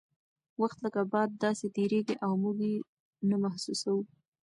وخت لکه باد داسې تیریږي او موږ یې نه محسوسوو.